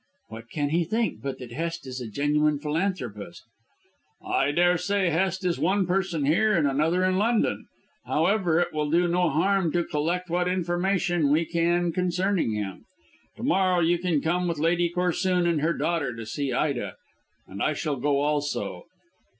"What can he think, but that Hest is a genuine philanthropist?" "I daresay Hest is one person here and another in London. However, it will do no harm to collect what information we can concerning him. To morrow you can come with Lady Corsoon and her daughter to see Ida, and I shall go also.